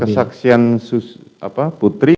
dalam kesaksian putri